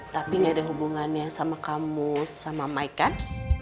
tapi gak ada hubungannya sama kamu sama mike kants